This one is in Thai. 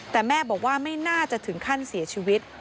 แต่แม่บอกว่าไม่น่าจะถึงขั้นเสียชีวิต